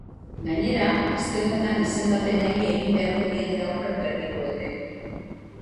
Gainera, aste honetan izendapenei egin beharko diete aurre berriro ere.